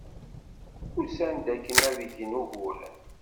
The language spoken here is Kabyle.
Usan-d akken ad d-gen uguren.